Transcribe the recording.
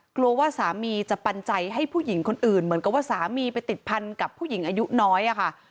กลัวว่าสามีจะปันใจให้ผู้หญิงคนอื่นเหมือนกับว่าสามีไปติดพันกับผู้หญิงอายุน้อยอะค่ะ